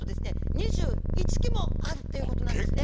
２１基もあるっていうことなんですね。